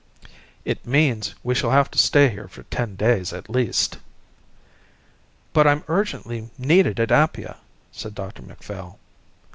"It means we shall have to stay here for ten days at least." "But I'm urgently needed at Apia," said Dr Macphail.